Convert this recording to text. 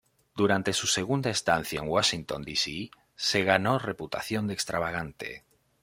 Durante su segunda estancia en Washington D. C., se ganó reputación de extravagante.